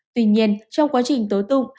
tuy nhiên trong quá trình tố tụng